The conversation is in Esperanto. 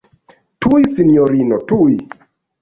Tuj, sinjorino, tuj.